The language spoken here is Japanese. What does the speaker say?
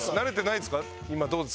今どうですか？